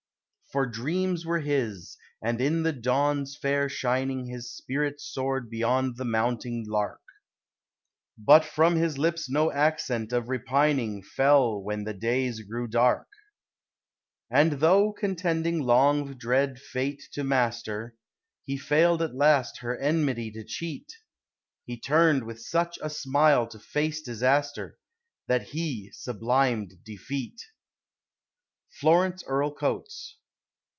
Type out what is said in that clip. For dreams were his, and in the dawn's fair shining, His spirit soared beyond the mounting lark; But from his lips no accent of repining Fell when the days grew dark; And though contending long dread Fate to master, He failed at last her enmity to cheat, He turned with such a smile to face disaster That he sublimed defeat. _Florence Earle Coates.